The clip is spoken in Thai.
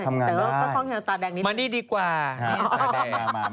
ทำงานได้มานี่ดีกว่านี่หรือเปล่ามา